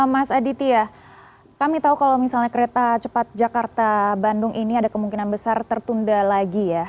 mas aditya kami tahu kalau misalnya kereta cepat jakarta bandung ini ada kemungkinan besar tertunda lagi ya